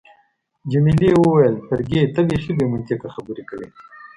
جميلې وويل: فرګي، ته بیخي بې منطقه خبرې کوي.